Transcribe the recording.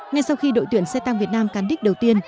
ngay sau khi đội tuyển xe tăng việt nam cán đích đầu tiên